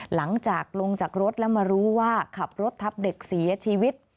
หลังจากลงจากรถแล้วมารู้ว่าขับรถทับเด็กเสียชีวิต